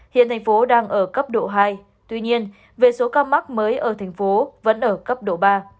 hiện thành phố đang ở cấp độ hai tuy nhiên về số ca mắc mới ở thành phố vẫn ở cấp độ ba